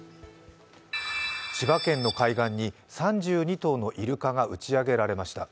千葉県の海岸に３２頭のイルカが打ち上げられました。